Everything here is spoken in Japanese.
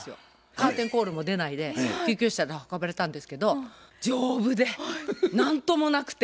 カーテンコールも出ないで救急車で運ばれたんですけど丈夫で何ともなくて。